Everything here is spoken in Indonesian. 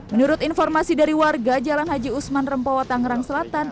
menurut informasi dari warga jalan haji usman rempowa tangerang selatan